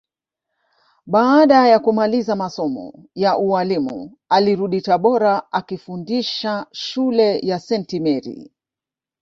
Baada ya kumaliza masomo ya ualimu alirudi Tabora akifundisha shule ya Senti Meri